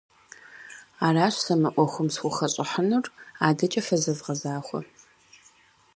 Аращ сэ мы ӏуэхум схухэщӏыхьынур, адэкӏэ фэ зэвгъэзахуэ.